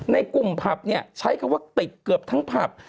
ในกลุ่มผับเนี่ยใช้คำว่าติดเกือบทั้งผับ